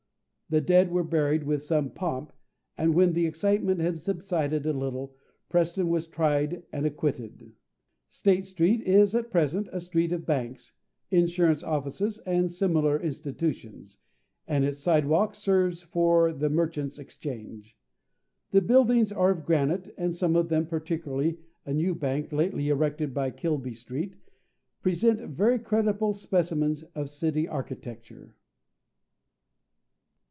The dead were buried with some pomp, and when the excitement had subsided a little, Preston was tried and acquitted. State Street is at present a street of banks, insurance offices, and similar institutions; and its side walk serves for the merchants' exchange. The buildings are of granite, and some of them, particularly a new bank, lately erected near Kilby Street, present very creditable specimens of city architecture.